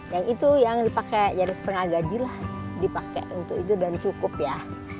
yang itu yang dipakai jadi setengah gaji lah dipakai untuk itu dan cukup ya